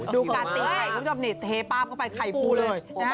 ดูกาตินไข่ทุกชอบนี้เทปาบเข้าไปไข่ปูเลย